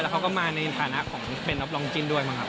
แล้วเขาก็มาในฐานะของเป็นอัพลองจินด้วยมากครับ